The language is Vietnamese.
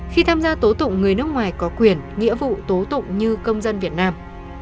khi tham gia tố tụng người nước ngoài có quyền nghĩa vụ tố tụng như công dân việt nam